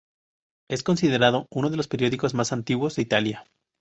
Es considerado uno de los periódicos más antiguos de Italia.